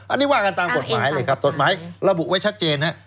อันนี้ว่ากันตามกฎหมายเลยครับกฎหมายระบุไว้ชัดเจนนะครับ